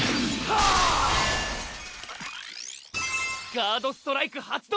ガード・ストライク発動！